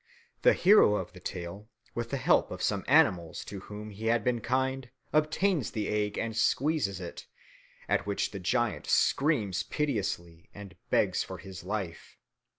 The hero of the tale, with the help of some animals to whom he had been kind, obtains the egg and squeezes it, at which the giant screams piteously and begs for his life.